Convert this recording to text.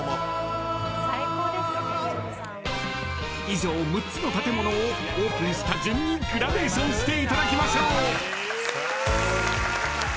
［以上６つの建物をオープンした順にグラデーションしていただきましょう］